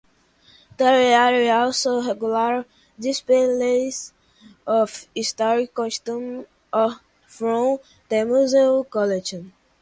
There are also regular displays of historic costume from the museum collection.